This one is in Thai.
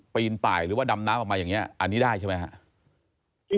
ปีนป่ายหรือว่าดำน้ำออกมาอย่างนี้อันนี้ได้ใช่ไหมครับ